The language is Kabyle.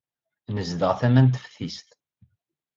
Nezdeɣ tama n teftist.